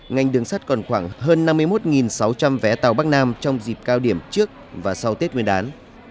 ngành đường sắt còn khoảng hơn năm mươi một sáu trăm linh vé tàu bắc nam trong dịp cao điểm trước và sau tết nguyên đán